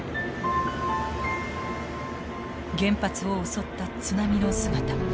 原発を襲った津波の姿。